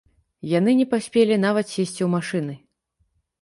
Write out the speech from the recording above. Яны не паспелі нават сесці ў машыны.